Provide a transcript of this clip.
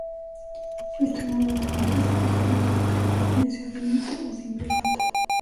Esta nueva agravante se aplicaría en todo crimen, ya sea delito o simple falta.